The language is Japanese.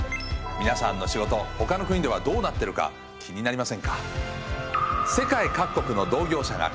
皆さんの仕事ほかの国ではどうなってるか気になりませんか？